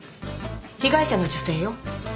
被害者の女性よ。